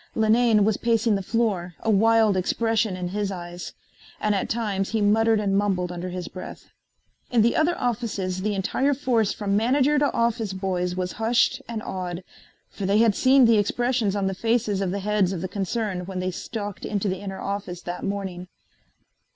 Linane was pacing the floor, a wild expression in his eyes, and at times he muttered and mumbled under his breath. In the other offices the entire force from manager to office boys was hushed and awed, for they had seen the expressions on the faces of the heads of the concern when they stalked into the inner office that morning.